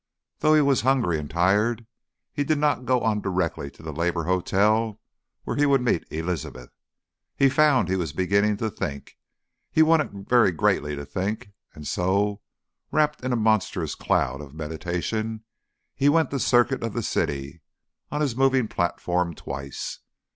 Though he was hungry and tired, he did not go on directly to the Labour Hotel, where he would meet Elizabeth. He found he was beginning to think, he wanted very greatly to think; and so, wrapped in a monstrous cloud of meditation, he went the circuit of the city on his moving platform twice.